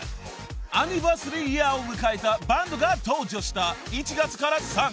［アニバーサリーイヤーを迎えたバンドが登場した１月から３月］